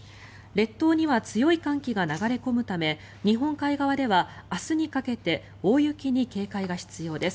列島には強い寒気が流れ込むため日本海側では明日にかけて大雪に警戒が必要です。